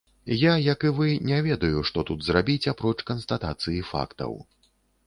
Я, як і вы, не ведаю, што тут зрабіць апроч канстатацыі фактаў.